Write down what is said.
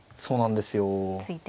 そうなんですよ。